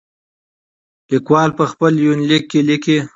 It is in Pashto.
ليکوال په خپل يونليک کې ليکي.